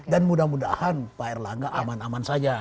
dan mudah mudahan pak erlangga aman